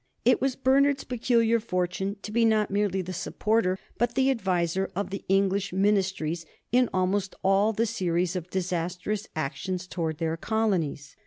It was Bernard's peculiar fortune to be not merely the supporter but the adviser of the English Ministries in almost all the series of disastrous actions towards their colonies.